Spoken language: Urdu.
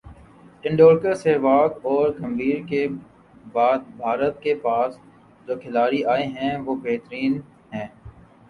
ٹنڈولکر ، سہواگ اور گمبھیر کے بعد بھارت کے پاس جو کھلاڑی آئے ہیں وہ بہترین ہیں